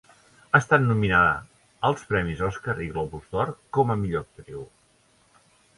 Ha estat nominada als premis Oscar i Globus d'Or com a millor actriu.